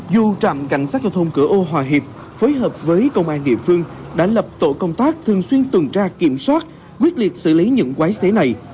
dù trạm cảnh sát giao thông cửa ô hòa hiệp phối hợp với công an địa phương đã lập tổ công tác thường xuyên tuần tra kiểm soát quyết liệt xử lý những quái xế này